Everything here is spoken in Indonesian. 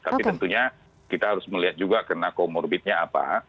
tapi tentunya kita harus melihat juga kena comorbidnya apa